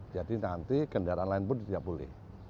jadi nanti kendaraan lain pun tidak boleh